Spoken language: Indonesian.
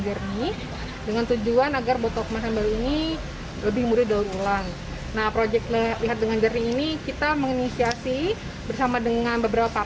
melibatkan masyarakat dalam melihat proses ulang itu seperti apa